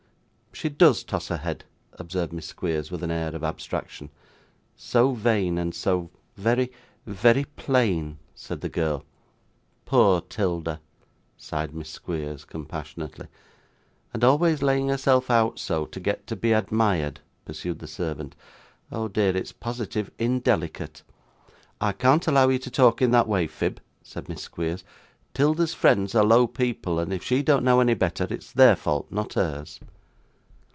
'She DOES toss her head,' observed Miss Squeers, with an air of abstraction. 'So vain, and so very very plain,' said the girl. 'Poor 'Tilda!' sighed Miss Squeers, compassionately. 'And always laying herself out so, to get to be admired,' pursued the servant. 'Oh, dear! It's positive indelicate.' 'I can't allow you to talk in that way, Phib,' said Miss Squeers. ''Tilda's friends are low people, and if she don't know any better, it's their fault, and not hers.